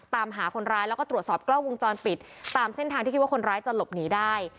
ตามหาคนร้ายแล้วก็ตรวจสอบกล้องวงจรปิดตามเส้นทางที่คิดว่าคนร้ายจะหลบหนีได้